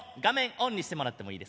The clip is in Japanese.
オンにしてもらってもいいですか？